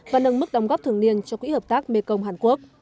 và nâng mức đóng góp thường niên cho quỹ hợp tác mekong hàn quốc